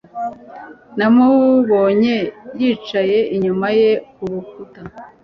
Namubonye yicaye inyuma ye kurukuta